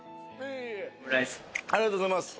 ありがとうございます。